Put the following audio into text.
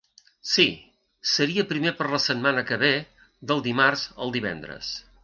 Si, seria primer per la setmana que ve, del dimarts al divendres.